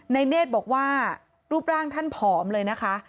เนธบอกว่ารูปร่างท่านผอมเลยนะคะ